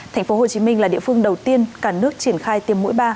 thành phố hồ chí minh là địa phương đầu tiên cả nước triển khai tiêm mũi ba